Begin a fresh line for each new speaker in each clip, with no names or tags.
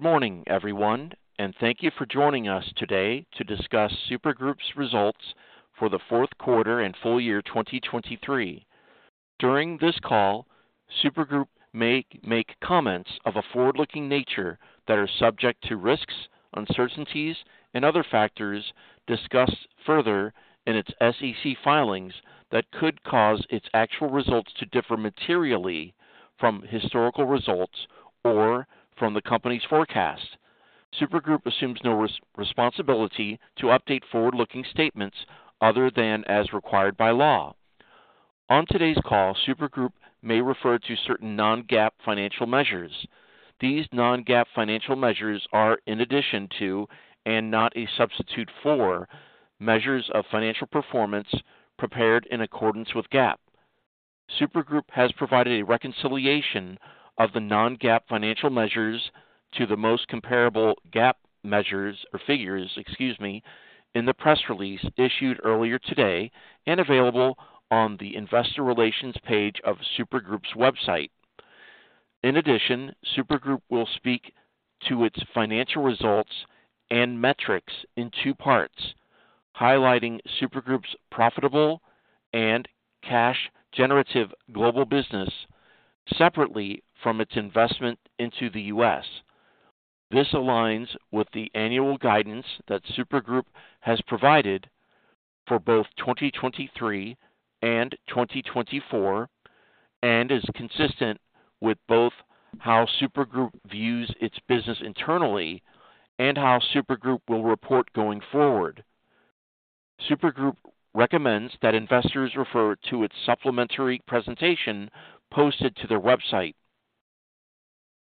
Good morning, everyone, and thank you for joining us today to discuss Super Group's results for the fourth quarter and full year 2023. During this call, Super Group may make comments of a forward-looking nature that are subject to risks, uncertainties, and other factors discussed further in its SEC filings that could cause its actual results to differ materially from historical results or from the company's forecast. Super Group assumes no responsibility to update forward-looking statements other than as required by law. On today's call, Super Group may refer to certain non-GAAP financial measures. These non-GAAP financial measures are, in addition to and not a substitute for, measures of financial performance prepared in accordance with GAAP. Super Group has provided a reconciliation of the non-GAAP financial measures to the most comparable GAAP measures or figures, excuse me, in the press release issued earlier today and available on the investor relations page of Super Group's website. In addition, Super Group will speak to its financial results and metrics in two parts, highlighting Super Group's profitable and cash-generative global business separately from its investment into the U.S. This aligns with the annual guidance that Super Group has provided for both 2023 and 2024 and is consistent with both how Super Group views its business internally and how Super Group will report going forward. Super Group recommends that investors refer to its supplementary presentation posted to their website.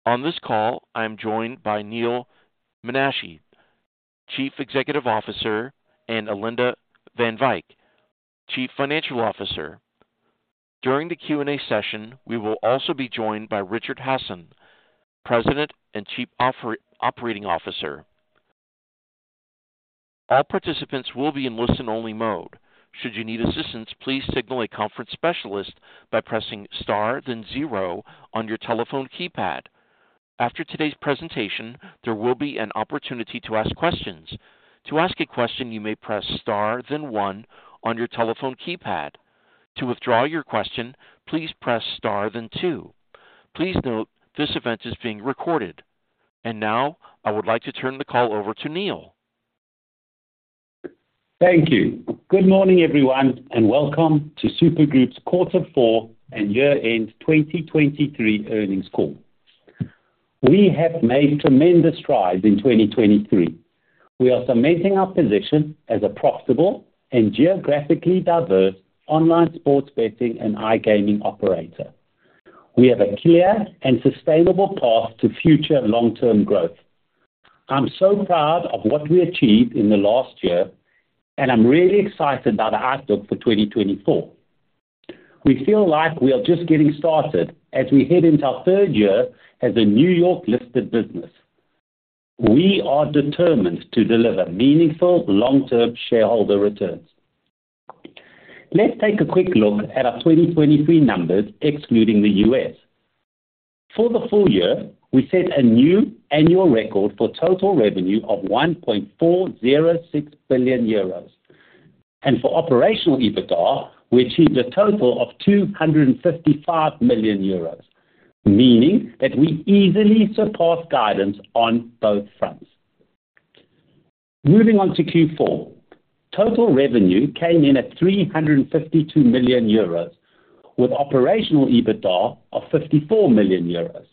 On this call, I'm joined by Neal Menashe, Chief Executive Officer, and Alinda van Wyk, Chief Financial Officer. During the Q&A session, we will also be joined by Richard Hasson, President and Chief Operating Officer. All participants will be in listen-only mode. Should you need assistance, please signal a conference specialist by pressing star then zero on your telephone keypad. After today's presentation, there will be an opportunity to ask questions. To ask a question, you may press star then one on your telephone keypad. To withdraw your question, please press star then two. Please note, this event is being recorded. Now, I would like to turn the call over to Neal.
Thank you. Good morning, everyone, and welcome to Super Group's Quarter Four and Year-End 2023 Earnings Call. We have made tremendous strides in 2023. We are cementing our position as a profitable and geographically diverse online sports betting and iGaming operator. We have a clear and sustainable path to future long-term growth. I'm so proud of what we achieved in the last year, and I'm really excited about the outlook for 2024. We feel like we are just getting started as we head into our third year as a New York-listed business. We are determined to deliver meaningful long-term shareholder returns. Let's take a quick look at our 2023 numbers excluding the U.S. For the full year, we set a new annual record for total revenue of 1.406 billion euros, and for operational EBITDA, we achieved a total of 255 million euros, meaning that we easily surpassed guidance on both fronts. Moving on to Q4, total revenue came in at 352 million euros, with operational EBITDA of 54 million euros.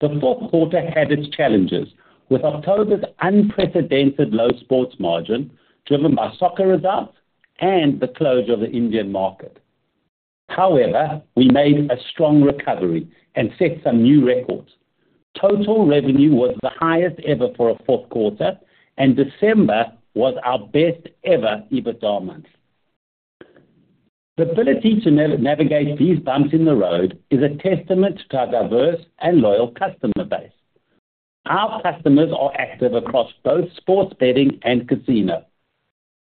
The fourth quarter had its challenges, with October's unprecedented low sports margin driven by soccer results and the closure of the Indian market. However, we made a strong recovery and set some new records. Total revenue was the highest ever for a fourth quarter, and December was our best-ever EBITDA month. The ability to navigate these bumps in the road is a testament to our diverse and loyal customer base. Our customers are active across both sports betting and casino.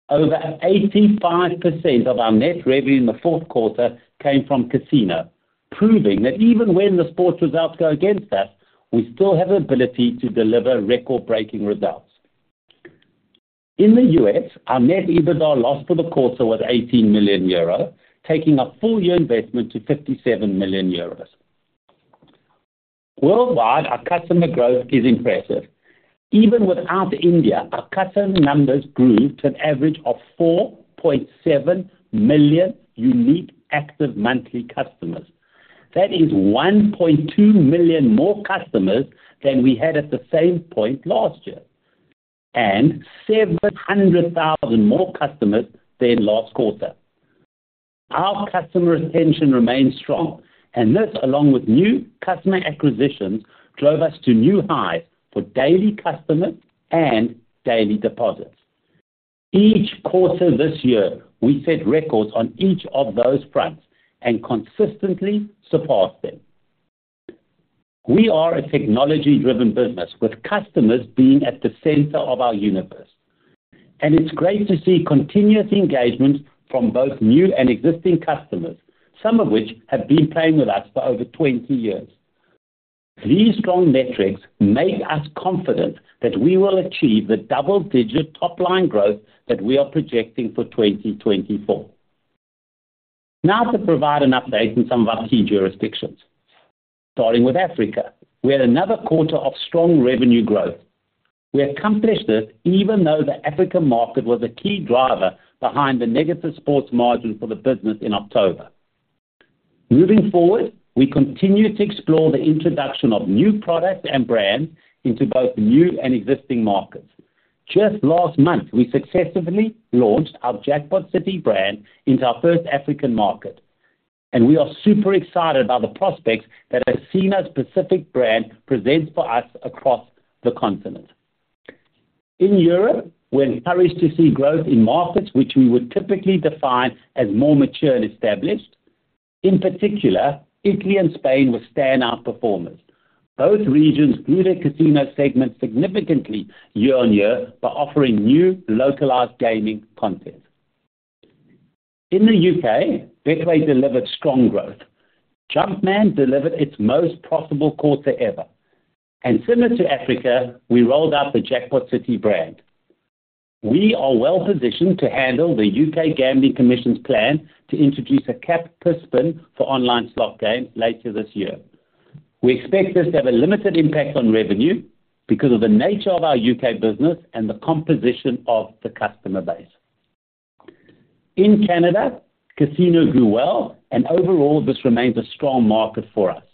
Over 85% of our net revenue in the fourth quarter came from casino, proving that even when the sports results go against us, we still have the ability to deliver record-breaking results. In the U.S., our net EBITDA loss for the quarter was 18 million euro, taking our full-year investment to 57 million euros. Worldwide, our customer growth is impressive. Even without India, our customer numbers grew to an average of 4.7 million unique active monthly customers. That is 1.2 million more customers than we had at the same point last year and 700,000 more customers than last quarter. Our customer retention remains strong, and this, along with new customer acquisitions, drove us to new highs for daily customers and daily deposits. Each quarter this year, we set records on each of those fronts and consistently surpassed them. We are a technology-driven business with customers being at the center of our universe, and it's great to see continuous engagement from both new and existing customers, some of which have been playing with us for over 20 years. These strong metrics make us confident that we will achieve the double-digit top-line growth that we are projecting for 2024. Now, to provide an update in some of our key jurisdictions, starting with Africa, we had another quarter of strong revenue growth. We accomplished this even though the African market was a key driver behind the negative sports margin for the business in October. Moving forward, we continue to explore the introduction of new products and brands into both new and existing markets. Just last month, we successfully launched our Jackpot City brand into our first African market, and we are super excited about the prospects that a casino-specific brand presents for us across the continent. In Europe, we're encouraged to see growth in markets which we would typically define as more mature and established. In particular, Italy and Spain were standout performers. Both regions grew their casino segments significantly year-on-year by offering new localized gaming content. In the U.K., Betway delivered strong growth. Jumpman delivered its most profitable quarter ever. Similar to Africa, we rolled out the Jackpot City brand. We are well positioned to handle the U.K. Gambling Commission's plan to introduce a cap per spin for online slot games later this year. We expect this to have a limited impact on revenue because of the nature of our U.K. business and the composition of the customer base. In Canada, casino grew well, and overall, this remains a strong market for us.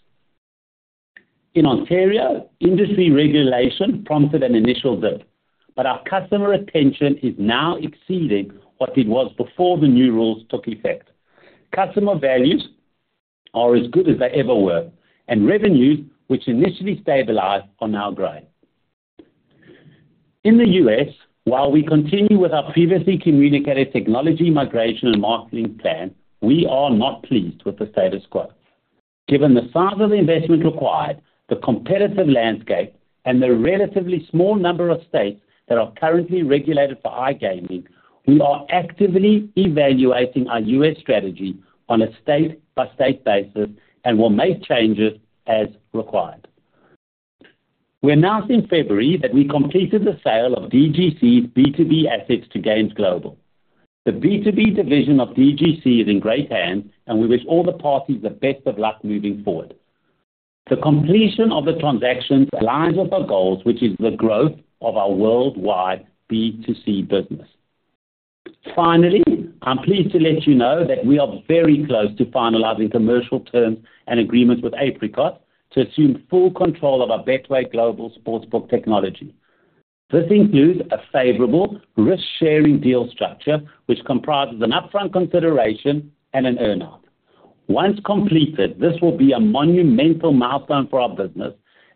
In Ontario, industry regulation prompted an initial dip, but our customer retention is now exceeding what it was before the new rules took effect. Customer values are as good as they ever were, and revenues, which initially stabilized, are now growing. In the U.S., while we continue with our previously communicated technology migration and marketing plan, we are not pleased with the status quo. Given the size of the investment required, the competitive landscape, and the relatively small number of states that are currently regulated for iGaming, we are actively evaluating our U.S. strategy on a state-by-state basis and will make changes as required. We announced in February that we completed the sale of DGC's B2B assets to Games Global. The B2B division of DGC is in great hands, and we wish all the parties the best of luck moving forward. The completion of the transactions aligns with our goals, which is the growth of our worldwide B2C business. Finally, I'm pleased to let you know that we are very close to finalizing commercial terms and agreements with Apricot to assume full control of our Betway Global sportsbook technology. This includes a favorable risk-sharing deal structure, which comprises an upfront consideration and an earnout. Once completed, this will be a monumental milestone for our business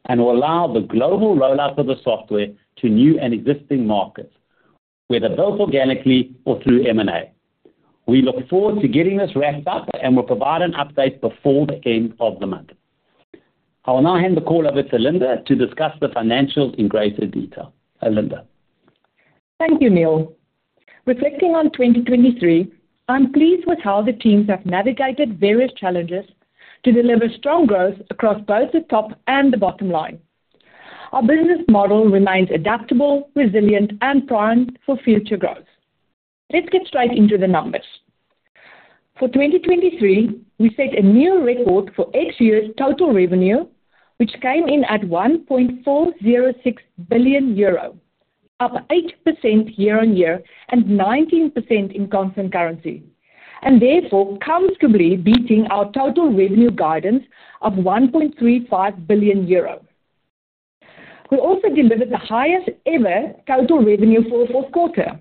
and will allow the global rollout of the software to new and existing markets, whether built organically or through M&A. We look forward to getting this wrapped up, and we'll provide an update before the end of the month. I will now hand the call over to Alinda to discuss the financials in greater detail. Alinda.
Thank you, Neal. Reflecting on 2023, I'm pleased with how the teams have navigated various challenges to deliver strong growth across both the top and the bottom line. Our business model remains adaptable, resilient, and primed for future growth. Let's get straight into the numbers. For 2023, we set a new record for full year total revenue, which came in at 1.406 billion euro, up 8% year-over-year and 19% in constant currency, and therefore comfortably beating our total revenue guidance of 1.35 billion euros. We also delivered the highest-ever total revenue for the fourth quarter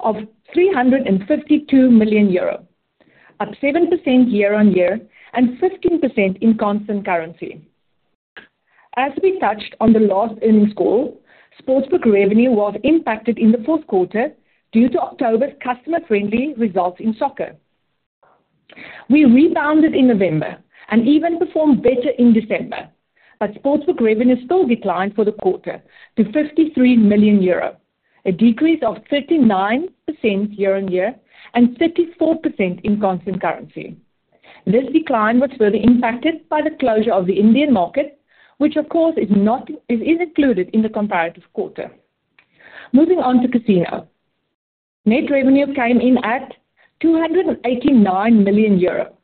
of 352 million euro, up 7% year-over-year and 15% in constant currency. As we touched on the last earnings call, sportsbook revenue was impacted in the fourth quarter due to October's customer-friendly results in soccer. We rebounded in November and even performed better in December, but sportsbook revenue still declined for the quarter to 53 million euro, a decrease of 39% year-on-year and 34% in constant currency. This decline was further impacted by the closure of the Indian market, which, of course, is included in the comparative quarter. Moving on to casino, net revenue came in at 289 million euro,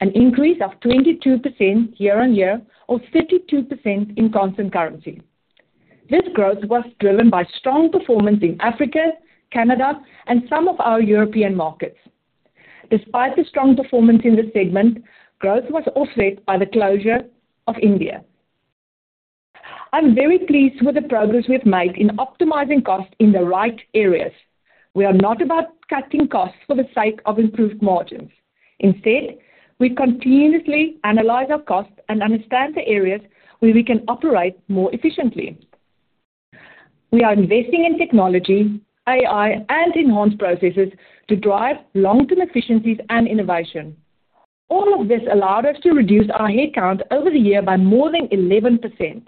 an increase of 22% year-on-year or 32% in constant currency. This growth was driven by strong performance in Africa, Canada, and some of our European markets. Despite the strong performance in this segment, growth was offset by the closure of India. I'm very pleased with the progress we've made in optimizing costs in the right areas. We are not about cutting costs for the sake of improved margins. Instead, we continuously analyze our costs and understand the areas where we can operate more efficiently. We are investing in technology, AI, and enhanced processes to drive long-term efficiencies and innovation. All of this allowed us to reduce our headcount over the year by more than 11%.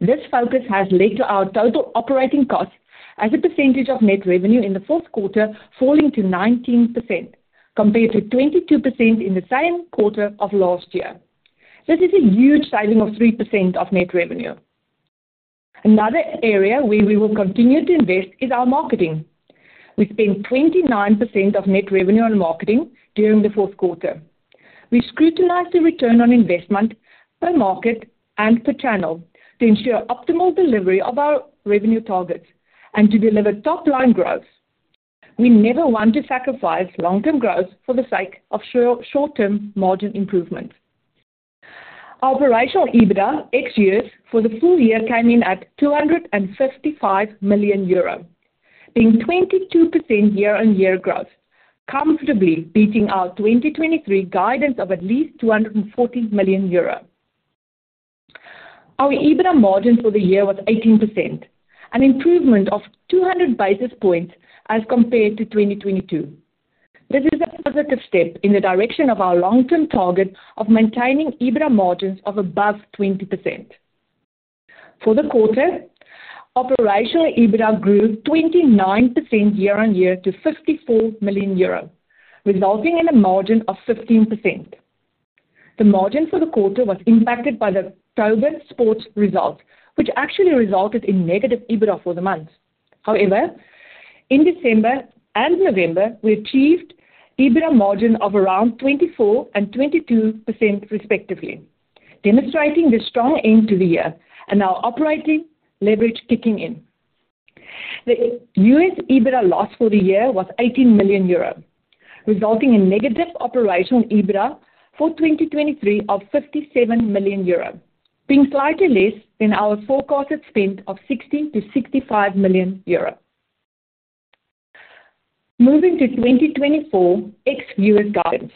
This focus has led to our total operating costs as a percentage of net revenue in the fourth quarter falling to 19% compared to 22% in the same quarter of last year. This is a huge saving of 3% of net revenue. Another area where we will continue to invest is our marketing. We spend 29% of net revenue on marketing during the fourth quarter. We scrutinize the return on investment per market and per channel to ensure optimal delivery of our revenue targets and to deliver top-line growth. We never want to sacrifice long-term growth for the sake of short-term margin improvements. Operational EBITDA for the full year came in at 255 million euro, being 22% year-on-year growth, comfortably beating our 2023 guidance of at least 240 million euro. Our EBITDA margin for the year was 18%, an improvement of 200 basis points as compared to 2022. This is a positive step in the direction of our long-term target of maintaining EBITDA margins of above 20%. For the quarter, operational EBITDA grew 29% year-on-year to 54 million euros, resulting in a margin of 15%. The margin for the quarter was impacted by the October sports results, which actually resulted in negative EBITDA for the month. However, in December and November, we achieved EBITDA margin of around 24% and 22%, respectively, demonstrating the strong end to the year and our operating leverage kicking in. The U.S. EBITDA loss for the year was 18 million euro, resulting in negative operational EBITDA for 2023 of 57 million euro, being slightly less than our forecasted spend of 60 million-65 million euro. Moving to 2024 ex-U.S. guidance,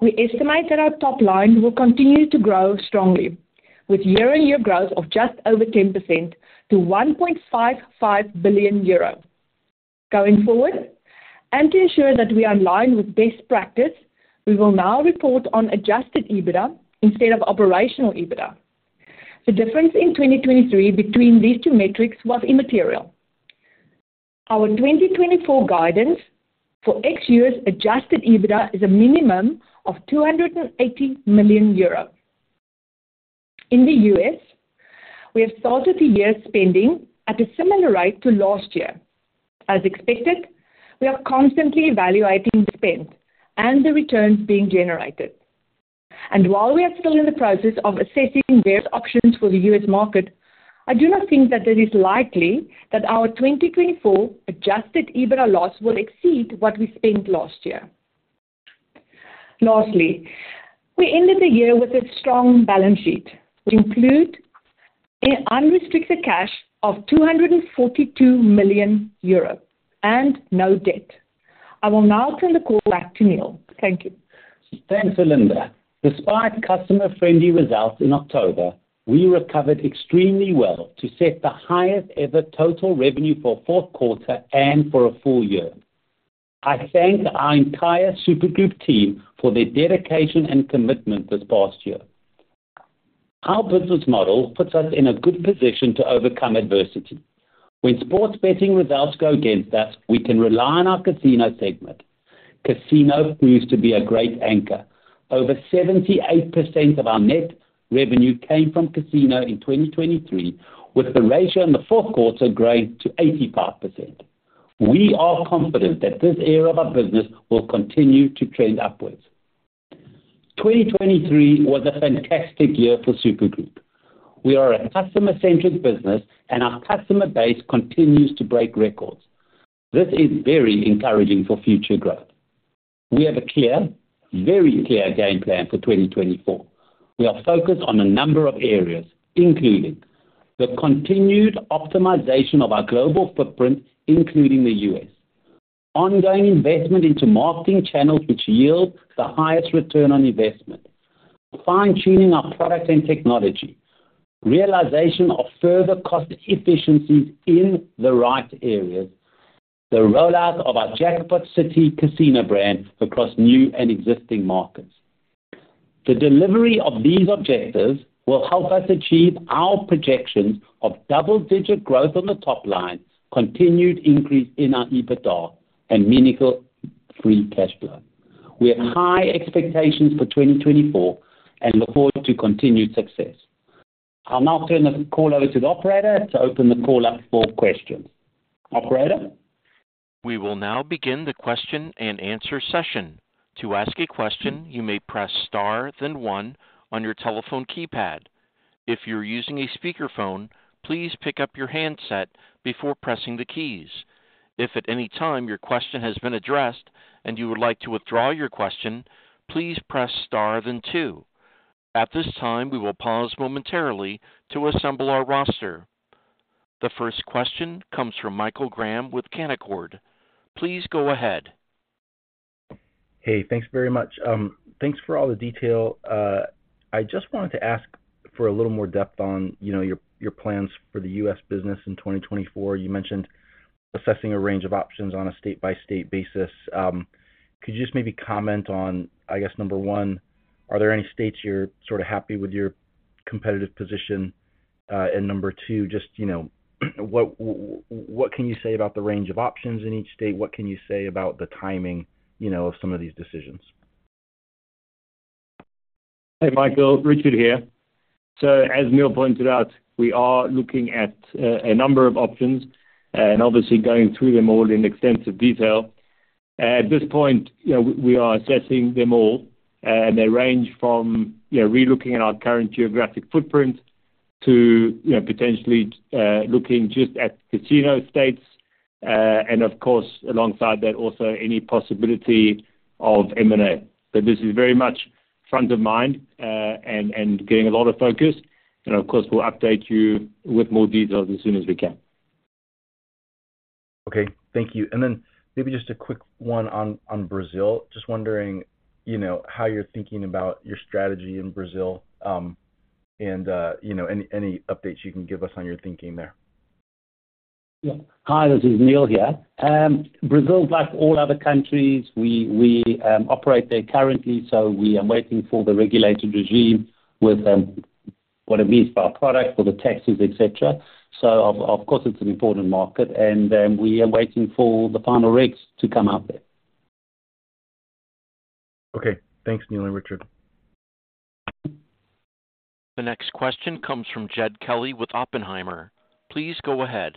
we estimate that our top line will continue to grow strongly, with year-on-year growth of just over 10% to 1.55 billion euro. Going forward, and to ensure that we are in line with best practice, we will now report on Adjusted EBITDA instead of Operational EBITDA. The difference in 2023 between these two metrics was immaterial. Our 2024 guidance for full year Adjusted EBITDA is a minimum of 280 million euros. In the U.S., we have started the year spending at a similar rate to last year. As expected, we are constantly evaluating the spend and the returns being generated. While we are still in the process of assessing various options for the U.S. market, I do not think that it is likely that our 2024 Adjusted EBITDA loss will exceed what we spent last year. Lastly, we ended the year with a strong balance sheet, which includes unrestricted cash of 242 million euros and no debt. I will now turn the call back to Neal. Thank you.
Thanks, Alinda. Despite customer-friendly results in October, we recovered extremely well to set the highest-ever total revenue for the fourth quarter and for a full year. I thank our entire Super Group team for their dedication and commitment this past year. Our business model puts us in a good position to overcome adversity. When sports betting results go against us, we can rely on our casino segment. Casino proves to be a great anchor. Over 78% of our net revenue came from casino in 2023, with the ratio in the fourth quarter growing to 85%. We are confident that this era of our business will continue to trend upwards. 2023 was a fantastic year for Super Group. We are a customer-centric business, and our customer base continues to break records. This is very encouraging for future growth. We have a clear, very clear game plan for 2024. We are focused on a number of areas, including the continued optimization of our global footprint, including the U.S., ongoing investment into marketing channels which yield the highest return on investment, fine-tuning our product and technology, realization of further cost efficiencies in the right areas, and the rollout of our Jackpot City casino brand across new and existing markets. The delivery of these objectives will help us achieve our projections of double-digit growth on the top line, continued increase in our EBITDA, and meaningful free cash flow. We have high expectations for 2024 and look forward to continued success. I'll now turn the call over to the operator to open the call up for questions. Operator?
We will now begin the question-and-answer session. To ask a question, you may press star then one on your telephone keypad. If you're using a speakerphone, please pick up your handset before pressing the keys. If at any time your question has been addressed and you would like to withdraw your question, please press star then two. At this time, we will pause momentarily to assemble our roster. The first question comes from Michael Graham with Canaccord. Please go ahead.
Hey, thanks very much. Thanks for all the detail. I just wanted to ask for a little more depth on your plans for the U.S. business in 2024. You mentioned assessing a range of options on a state-by-state basis. Could you just maybe comment on, I guess, number one, are there any states you're sort of happy with your competitive position? And number two, just what can you say about the range of options in each state? What can you say about the timing of some of these decisions?
Hey, Michael. Richard here. So as Neal pointed out, we are looking at a number of options and obviously going through them all in extensive detail. At this point, we are assessing them all, and they range from relooking at our current geographic footprint to potentially looking just at casino states and, of course, alongside that, also any possibility of M&A. So this is very much front of mind and getting a lot of focus. And of course, we'll update you with more details as soon as we can.
Okay. Thank you. And then maybe just a quick one on Brazil. Just wondering how you're thinking about your strategy in Brazil and any updates you can give us on your thinking there?
Yeah. Hi, this is Neal here. Brazil, like all other countries, we operate there currently, so we are waiting for the regulated regime with what it means for our product, for the taxes, etc. So of course, it's an important market, and we are waiting for the final regs to come out there.
Okay. Thanks, Neal and Richard.
The next question comes from Jed Kelly with Oppenheimer. Please go ahead.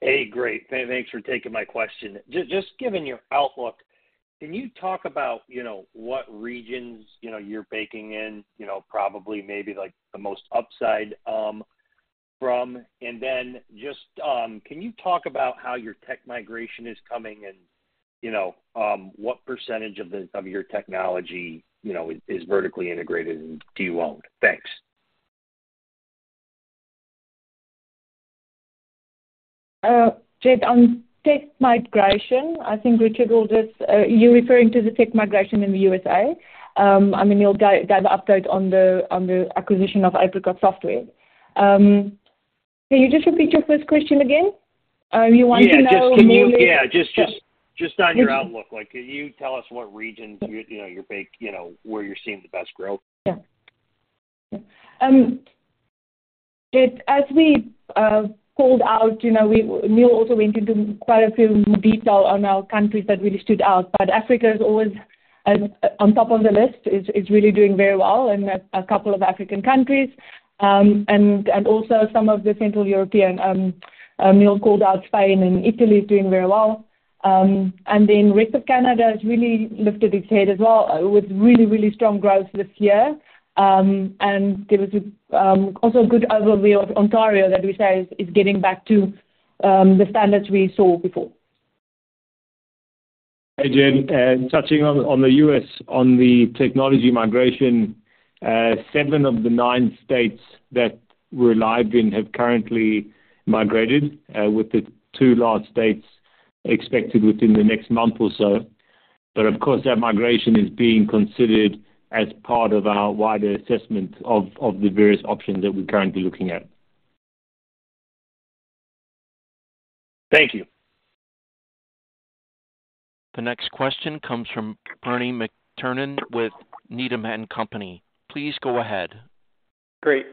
Hey, great. Thanks for taking my question. Just given your outlook, can you talk about what regions you're baking in, probably maybe the most upside from? And then just can you talk about how your tech migration is coming and what percentage of your technology is vertically integrated and do you own? Thanks.
Jed, on tech migration, I think Richard will just you're referring to the tech migration in the U.S. I mean, he'll give an update on the acquisition of Apricot Software. Can you just repeat your first question again? You want to know who you mean?
Yeah. Just on your outlook. Can you tell us what regions you're seeing the best growth?
Yeah. Yeah. Jed, as we pointed out, Neal also went into quite a few details on our countries that really stood out. But Africa is always on top of the list. It's really doing very well in a couple of African countries and also some of the Central European. Neal called out Spain and Italy is doing very well. And then rest of Canada has really lifted its head as well with really, really strong growth this year. And there was also a good overview of Ontario that we say is getting back to the standards we saw before.
Hey, Jed. Touching on the U.S., on the technology migration, seven of the nine states that we're alive in have currently migrated, with the two last states expected within the next month or so. But of course, that migration is being considered as part of our wider assessment of the various options that we're currently looking at.
Thank you.
The next question comes from Bernie McTernan with Needham & Company. Please go ahead.
Great.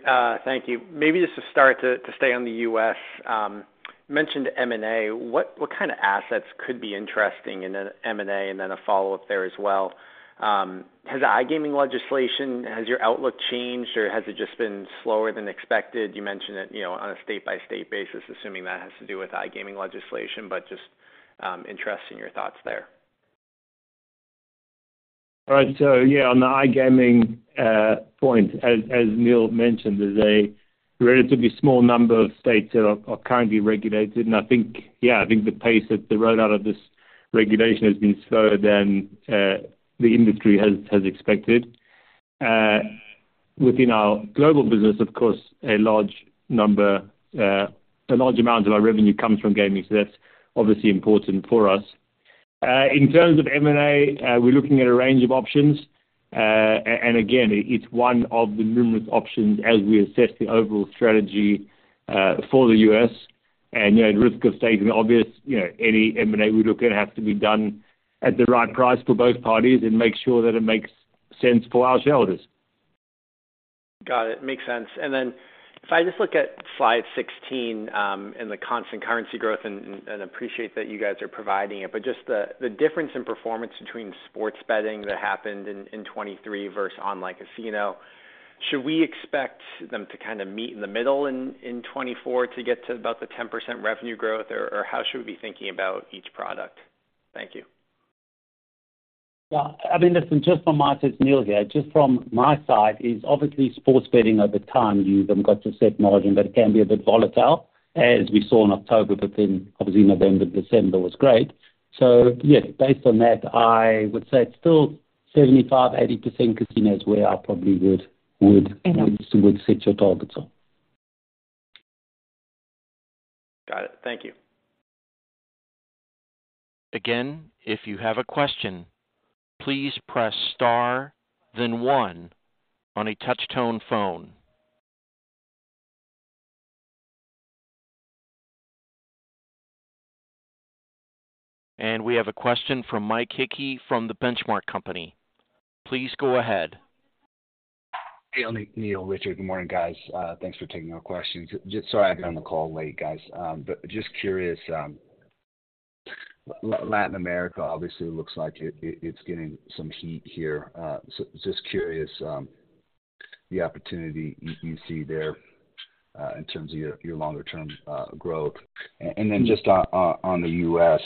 Thank you. Maybe just to start, to stay on the U.S., you mentioned M&A. What kind of assets could be interesting in an M&A and then a follow-up there as well? Has the iGaming legislation has your outlook changed, or has it just been slower than expected? You mentioned it on a state-by-state basis, assuming that has to do with iGaming legislation, but just interest in your thoughts there.
All right. So yeah, on the iGaming point, as Neal mentioned, there's a relatively small number of states that are currently regulated. Yeah, I think the pace that the rollout of this regulation has been slower than the industry has expected. Within our global business, of course, a large amount of our revenue comes from gaming, so that's obviously important for us. In terms of M&A, we're looking at a range of options. Again, it's one of the numerous options as we assess the overall strategy for the U.S. At risk of stating the obvious, any M&A we look at has to be done at the right price for both parties and make sure that it makes sense for our shareholders.
Got it. Makes sense. Then if I just look at slide 16 and the constant currency growth and appreciate that you guys are providing it, but just the difference in performance between sports betting that happened in 2023 versus online casino, should we expect them to kind of meet in the middle in 2024 to get to about the 10% revenue growth, or how should we be thinking about each product? Thank you.
Yeah. I mean, listen, just from my side Neal here, just from my side, is obviously sports betting over time, you've got to set margin, but it can be a bit volatile as we saw in October but then obviously November, December was great. So yeah, based on that, I would say it's still 75%-80% casinos where I probably would set your targets on.
Got it. Thank you.
Again, if you have a question, please press star then one on a touch-tone phone. We have a question from Mike Hickey from The Benchmark Company. Please go ahead.
Hey, Neal. Richard, good morning, guys. Thanks for taking our questions. Sorry I've been on the call late, guys, but just curious, Latin America obviously looks like it's getting some heat here. So just curious the opportunity you see there in terms of your longer-term growth. And then just on the U.S.,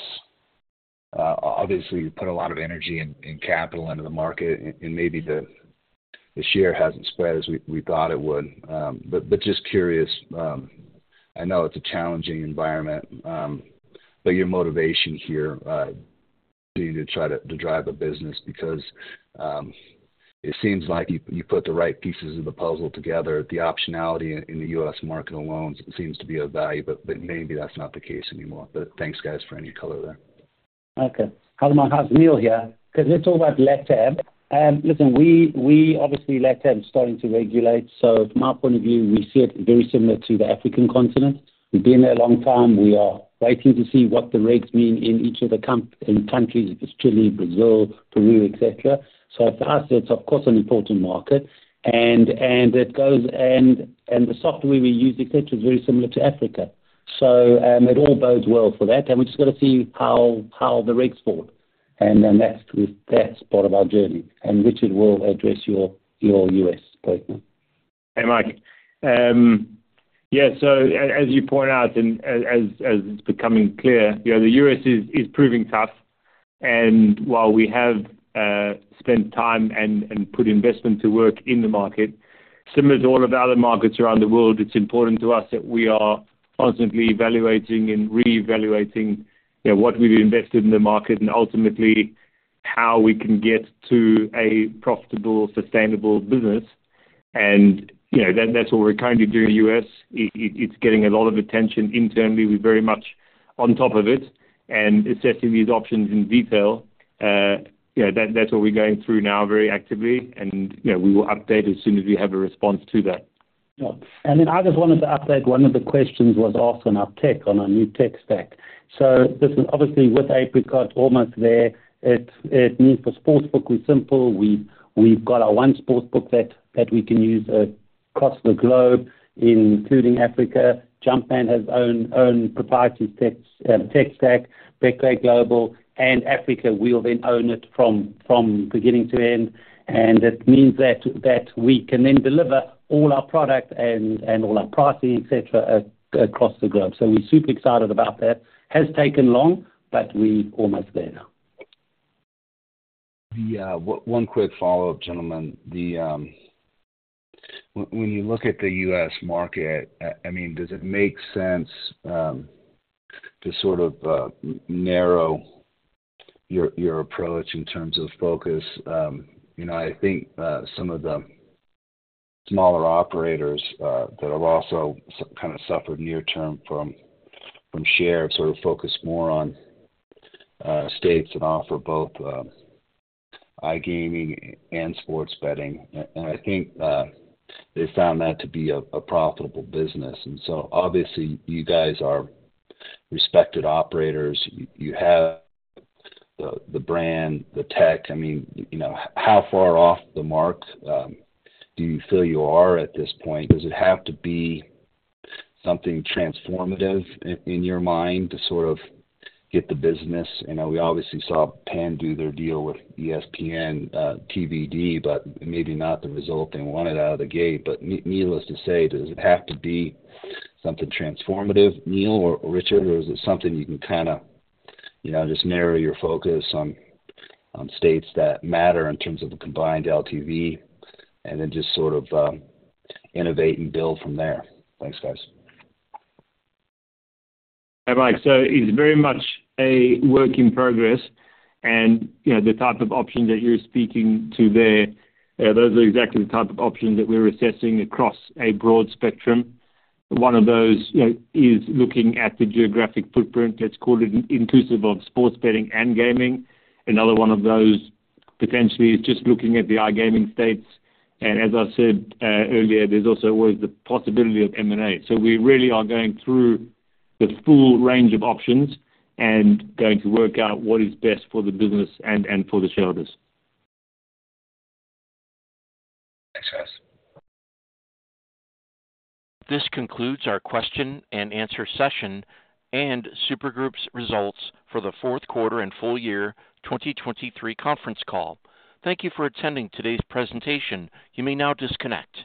obviously, you put a lot of energy and capital into the market, and maybe the share hasn't spread as we thought it would. But just curious, I know it's a challenging environment, but your motivation here to try to drive a business because it seems like you put the right pieces of the puzzle together. The optionality in the U.S. market alone seems to be of value, but maybe that's not the case anymore. But thanks, guys, for any color there.
Okay. Hello, Mike. Neal here. Because it's all about LatAm. Listen, obviously, LatAm is starting to regulate. So from our point of view, we see it very similar to the African continent. We've been there a long time. We are waiting to see what the regs mean in each of the countries, Chile, Brazil, Peru, etc. So for us, it's of course an important market. And the software we use, etc., is very similar to Africa. So it all bodes well for that. And we've just got to see how the regs fall. And then that's part of our journey. And Richard will address your U.S. point now.
Hey, Mike. Yeah, so as you point out and as it's becoming clear, the U.S. is proving tough. And while we have spent time and put investment to work in the market, similar to all of the other markets around the world, it's important to us that we are constantly evaluating and reevaluating what we've invested in the market and ultimately how we can get to a profitable, sustainable business. And that's what we're currently doing in the U.S. It's getting a lot of attention internally. We're very much on top of it and assessing these options in detail. That's what we're going through now very actively, and we will update as soon as we have a response to that.
Yeah. And then I just wanted to update. One of the questions was also in our tech on our new tech stack. So listen, obviously, with Apricot almost there, it means for sportsbook we're simple. We've got our one sportsbook that we can use across the globe, including Africa. Jumpman has owned proprietary tech stack, Betway Global, and Africa will then own it from beginning to end. And it means that we can then deliver all our product and all our pricing, etc., across the globe. So we're super excited about that. Has taken long, but we're almost there now.
One quick follow-up, gentlemen. When you look at the U.S. market, I mean, does it make sense to sort of narrow your approach in terms of focus? I think some of the smaller operators that have also kind of suffered near-term from share. Sort of focus more on states and offer both iGaming and sports betting. And I think they found that to be a profitable business. And so obviously, you guys are respected operators. You have the brand, the tech. I mean, how far off the mark do you feel you are at this point? Does it have to be something transformative in your mind to sort of get the business? We obviously saw Penn do their deal with ESPN Bet, but maybe not the result they wanted out of the gate. But needless to say, does it have to be something transformative, Neal or Richard, or is it something you can kind of just narrow your focus on states that matter in terms of a combined LTV and then just sort of innovate and build from there? Thanks, guys.
Hey, Mike. So it's very much a work in progress. And the type of options that you're speaking to there, those are exactly the type of options that we're assessing across a broad spectrum. One of those is looking at the geographic footprint, let's call it, inclusive of sports betting and gaming. Another one of those potentially is just looking at the iGaming states. And as I said earlier, there's also always the possibility of M&A. So we really are going through the full range of options and going to work out what is best for the business and for the shareholders.
Thanks, guys.
This concludes our question and answer session and Super Group's results for the fourth quarter and full year 2023 conference call. Thank you for attending today's presentation. You may now disconnect.